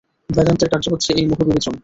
বেদান্তের কার্য হচ্ছে এই মোহ-বিমোচন।